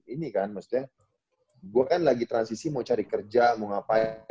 ini kan maksudnya gue kan lagi transisi mau cari kerja mau ngapain